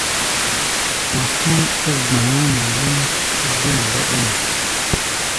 Wa hɔ́n ó gba̧á̧ mɔ lɛ́ŋ dé nɛ mbɔ́ɗɔ́mɔ.